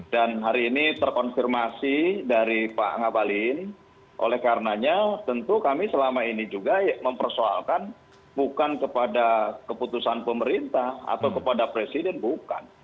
dan hari ini terkonfirmasi dari pak ngabalin oleh karenanya tentu kami selama ini juga mempersoalkan bukan kepada keputusan pemerintah atau kepada presiden bukan